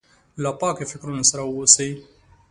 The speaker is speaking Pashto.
له پاکو فکرونو سره واوسي.